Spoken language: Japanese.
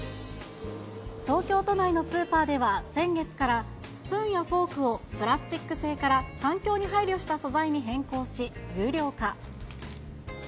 東京都内のスーパーでは、先月から、スプーンやフォークをプラスチック製から環境に配慮した素材に変更し、有料化。